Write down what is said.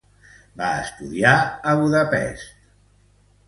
Va estudiar a Budapest i a Szeged.